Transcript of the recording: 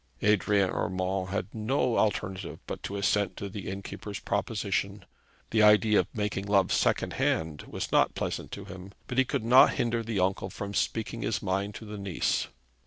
Adrian Urmand had no alternative but to assent to the innkeeper's proposition. The idea of making love second hand was not pleasant to him; but he could not hinder the uncle from speaking his mind to the niece.